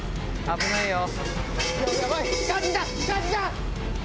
危ないよ。